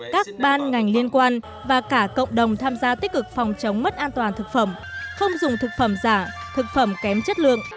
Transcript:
các ban ngành liên quan và cả cộng đồng tham gia tích cực phòng chống mất an toàn thực phẩm không dùng thực phẩm giả thực phẩm kém chất lượng